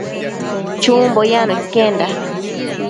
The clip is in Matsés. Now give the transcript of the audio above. Chumbo yacno iquenda